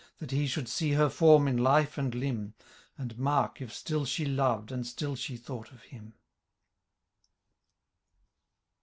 That he should see her form in life and limb. And mark, if still she loved, and still she thought of him.